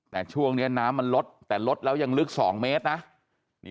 แต่ช่วงนี้น้ำมันลดแต่ลดแล้วยังลึก๒เมตรนะ